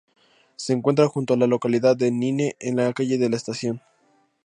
Se encuentra junto a la localidad de Nine, en la Calle de la Estación.